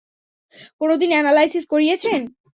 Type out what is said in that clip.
কোনোদিন অ্যানালাইসিস করিয়েছেন?